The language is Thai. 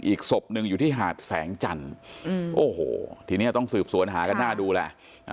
อีกศพหนึ่งอยู่ที่หาดแสงจันทร์โอ้โหทีนี้ต้องสืบสวนหากันหน้าดูแหละ